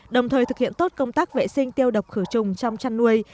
đồng thời thực hiện tốt công tác vệ sinh tiêu độc khử trùng trong chăn nuôi